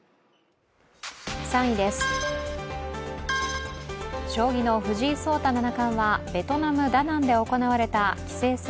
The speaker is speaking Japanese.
３位です、将棋の藤井聡太七冠はベトナム・ダナンで行われた棋聖戦